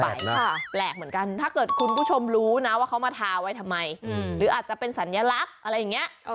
แปลกเหมือนกันถ้าเกิดคุณผู้ชมรู้นะว่าเขามาทาไว้ทำไมหรืออาจจะเป็นสัญลักษณ์อะไรอย่างนี้